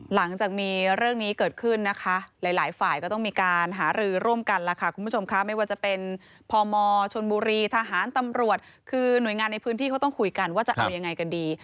หลังจากมีเรื่องนี้เกิดขึ้นนะคะหลายฝ่ายก็ต้องมีการหารือร่วมกันล่ะค่ะคุณผู้ชมค่ะไม่ว่าจะเป็นพมชนบุรีทหารตำรวจคือหน่วยงานในพื้นที่เขาต้องคุยกันว่าจะเอายังไงกันดี